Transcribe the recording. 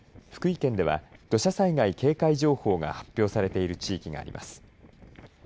これまでに降った雨で福井県では土砂災害警戒情報が発表されている地域があります。